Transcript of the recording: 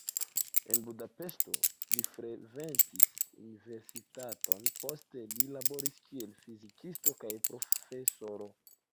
En Budapeŝto li frekventis universitaton, poste li laboris, kiel fizikisto kaj profesoro.